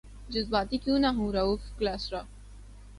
جذباتی کیوں نہ ہوں رؤف کلاسرا